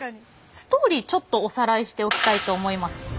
ストーリーちょっとおさらいしておきたいと思います。